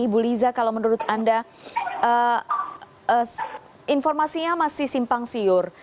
ibu liza kalau menurut anda informasinya masih simpang siur